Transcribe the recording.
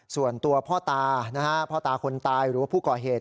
ส่วนตัวพ่อตานะฮะพ่อตาคนตายหรือว่าผู้ก่อเหตุ